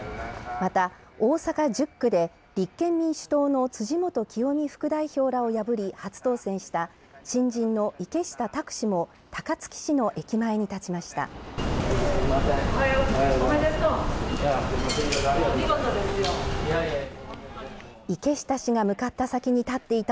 また、大阪１０区で立憲民主党の辻元清美副代表らを破り初当選した新人の池下卓氏も高槻市の駅前に立ちました。